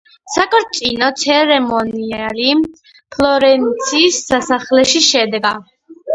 საქორწინო ცერემონიალი ფლორენციის სასახლეში შედგა.